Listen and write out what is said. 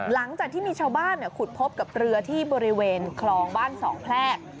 หลังจากที่มีชาวบ้านขุดพบกับเรือที่บริเวณคลองบ้านสองแพรก